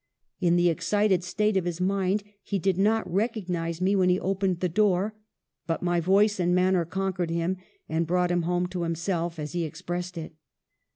In the excited state of his mind, he did not recognize me when he opened the door, but my voice and manner conquered him, and 'brought him home to himself,' as he expressed it.